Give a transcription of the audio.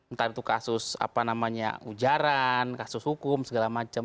entar itu kasus ujaran kasus hukum segala macam